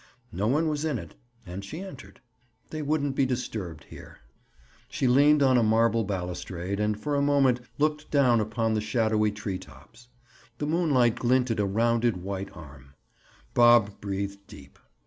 No one was in it, and she entered. They wouldn't be disturbed here. She leaned on a marble balustrade and for a moment looked down upon the shadowy tree tops. The moonlight glinted a rounded white arm. Bob breathed deep.